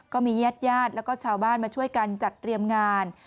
ก็มีญาติญาติแล้วก็ชาวบ้านมาช่วยกันจัดเตรียมงาน